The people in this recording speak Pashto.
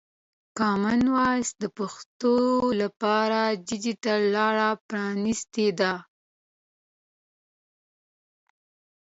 کامن وایس د پښتو لپاره د ډیجیټل لاره پرانستې ده.